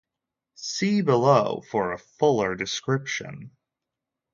See below for a fuller description.